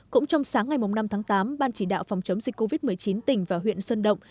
cũng trong sáng ngày năm tháng tám ban chỉ đạo phòng chống dịch covid một mươi chín tỉnh và huyện sơn động